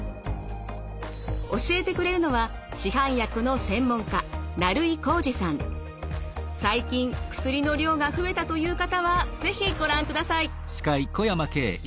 教えてくれるのは市販薬の専門家最近薬の量が増えたという方は是非ご覧ください。